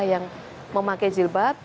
yang memakai zilbab